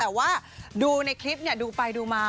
แต่ว่าดูในคลิปดูไปดูมา